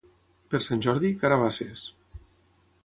Per Sant Jordi, carabasses.